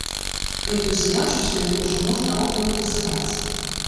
Гэтую задачу сёння ўжо можна аўтаматызаваць.